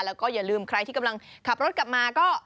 แล้วก็อย่าลืมใครที่กำลังขับรถกลับมาก็